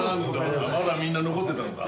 まだみんな残ってたのか。